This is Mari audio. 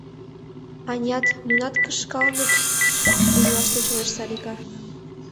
— Анят, нунат кышкалыныт? — умылаш тӧчылеш Салика.